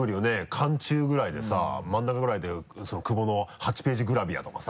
巻中ぐらいでさ真ん中ぐらいで久保の８ページグラビアとかさ。